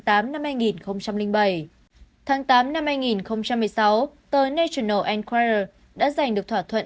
tháng tám năm hai nghìn một mươi sáu tờ national đã giành được thỏa thuận